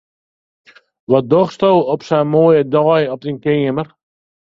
Wat dochsto op sa'n moaie dei op dyn keamer?